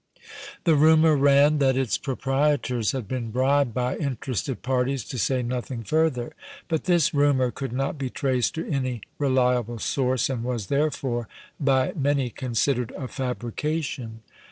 The rumor ran that its proprietors had been bribed by interested parties to say nothing further, but this rumor could not be traced to any reliable source and was, therefore, by many considered a fabrication.